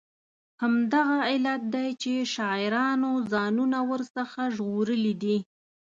همدغه علت دی چې شاعرانو ځانونه ور څخه ژغورلي دي.